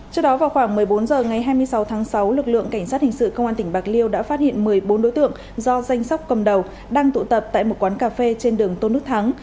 trước đó vào khoảng một mươi bốn h ngày hai mươi sáu tháng sáu lực lượng cảnh sát hình sự công an tỉnh bạc liêu đã phát hiện một mươi bốn đối tượng do danh sóc cầm đầu đang tụ tập tại một quán cà phê trên đường tôn đức thắng